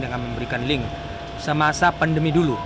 dengan memberikan link semasa pandemi dulu